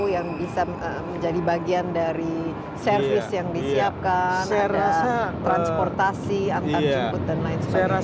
yang bisa menjadi bagian dari service yang disiapkan transportasi antar jumpa dan lain sebagainya